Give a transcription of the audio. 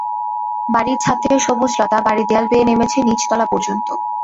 বাড়ির ছাদ থেকে সবুজ লতা বাড়ির দেয়াল বেয়ে নেমেছে নিচতলা পর্যন্ত।